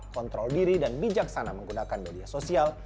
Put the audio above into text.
kontrol diri dan bijaksana menggunakan media sosial